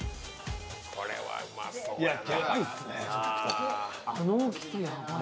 これはうまそうやな。